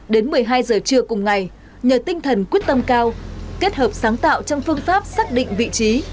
đến một mươi hai giờ trưa cùng ngày nhờ tinh thần quyết tâm cao kết hợp sáng tạo trong phương pháp xác định vị trí